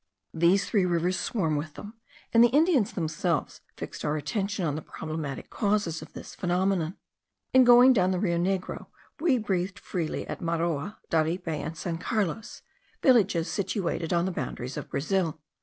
These three rivers swarm with them; and the Indians themselves fixed our attention on the problematic causes of this phenomenon. In going down the Rio Negro, we breathed freely at Maroa, Daripe, and San Carlos, villages situated on the boundaries of Brazil.